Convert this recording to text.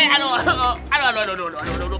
aduh aduh aduh aduh